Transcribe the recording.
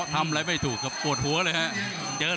ทำอะไรไม่ถูกกับปวดหัวเลยฮะ